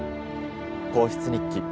『皇室日記』